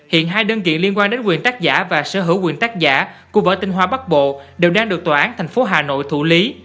hiện hai đơn kiện liên quan đến quyền tác giả và sở hữu quyền tác giả của vở tinh hoa bắc bộ đều đang được tòa án thành phố hà nội thủ lý